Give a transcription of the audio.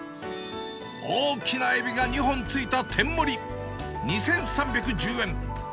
大きなえびが２本ついた天もり２３１０円。